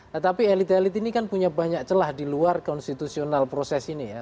tetapi elit elit ini kan punya banyak celah di luar konstitusional proses ini ya